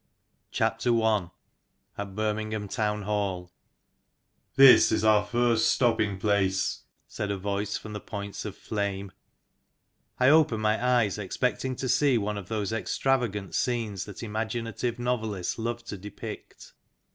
AT BIRMINGHAM TOWN HALL " Tins is our first stopping place," said a voice from the points of flame. I opened my eyes expecting to see one of those extravagant scenes that imaginative novelists love to depict.